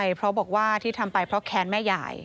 ใช่เพราะบอกว่าที่ทำไปเพราะแค้นแม่ยาย